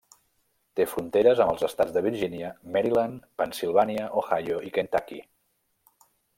Té fronteres amb els estats de Virgínia, Maryland, Pennsilvània, Ohio, i Kentucky.